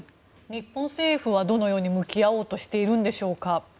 日本政府はどのように向き合おうとしているんでしょうか。